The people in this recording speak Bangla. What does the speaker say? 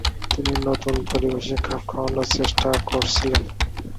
তিনি নতুন পরিবেশে খাপ খাওয়ানোর চেষ্টা করছিলেন।